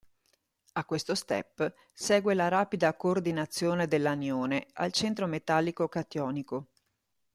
A questo step segue la rapida coordinazione dell'anione al centro metallico cationico.